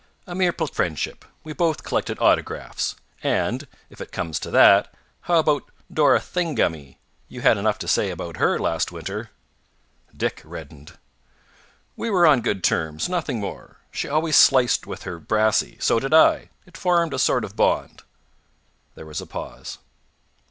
"A mere platonic friendship. We both collected autographs. And, if it comes to that, how about Dora Thingummy? You had enough to say about her last winter." Dick reddened. "We were on good terms. Nothing more. She always sliced with her brassy. So did I. It formed a sort of bond." There was a pause.